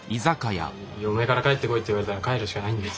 嫁から帰ってこいって言われたら帰るしかないんだよ。